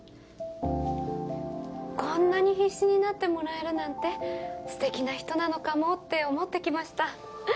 こんなに必死になってもらえるなんてステキな人なのかもって思って来ました。